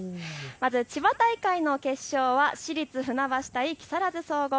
まず千葉大会の決勝は市立船橋対木更津総合。